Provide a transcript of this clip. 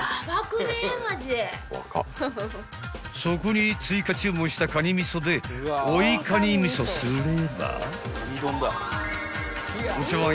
［そこに追加注文したかにみそで追いかにみそすれば］